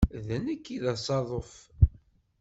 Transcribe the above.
D nekk i d asaḍuf.